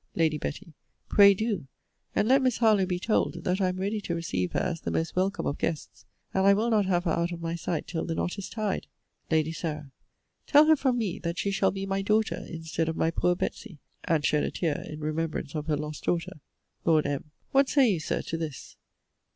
Lady Betty. Pray do. And let Miss Harlowe be told, that I am ready to receive her as the most welcome of guests: and I will not have her out of my sight till the knot is tied. Lady Sarah. Tell her from me, that she shall be my daughter, instead of my poor Betsey! And shed a tear in remembrance of her lost daughter. Lord M. What say you, Sir, to this?